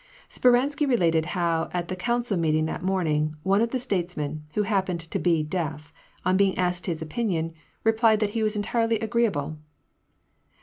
Speransky related how at the council meeting that morn ing, one of the statesmen, who happened to be deaf, on being asked his opinion, replied that he was entirely agreeable.